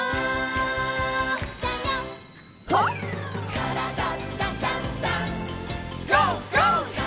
「からだダンダンダン」